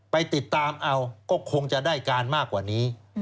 ไปติดตามเอาก็คงจะได้การมากกว่านี้